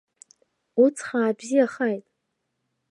Уҵх аабзиахааит!